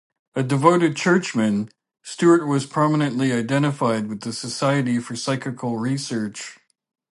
A devoted churchman, Stewart was prominently identified with the Society for Psychical Research.